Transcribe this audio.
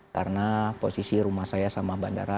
karena posisi rumah saya sama bandara